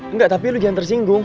enggak tapi lo diantar singgung